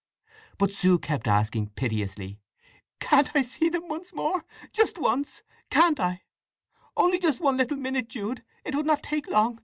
But Sue kept asking piteously: "Can't I see them once more—just once! Can't I? Only just one little minute, Jude? It would not take long!